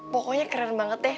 pokoknya keren banget deh